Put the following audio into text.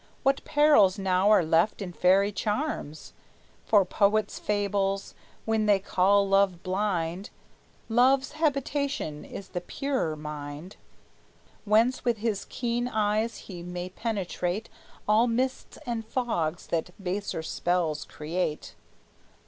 What perils now are left in fairy charms? For poets fable when they call love blind; Love's habitation is the purer mind, Whence with his keen eyes he may penetrate All mists and fogs that baser spells create.